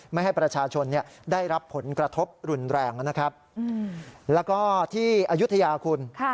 ไม่ให้ประชาชนได้รับผลกระทบรุนแรงนะครับแล้วก็ที่อายุทยาคุณ